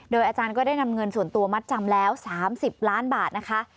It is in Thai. อาจารย์ก็ได้นำเงินส่วนตัวมัดจำแล้ว๓๐ล้านบาทนะคะ